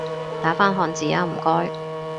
打返漢字吖唔該